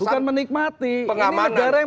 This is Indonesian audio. bukan menikmati ini negara yang